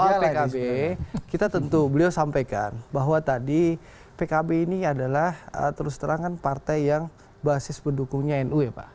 kalau pkb kita tentu beliau sampaikan bahwa tadi pkb ini adalah terus terang kan partai yang basis pendukungnya nu ya pak